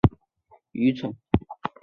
真心觉得这种行为很愚蠢